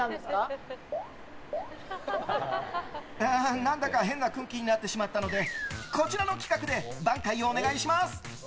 何だか変な空気になってしまったのでこちらの企画で挽回お願いします！